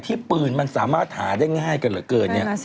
ที่ปืนมันสามารถถารได้ง่ายกันเหรอเกินนี่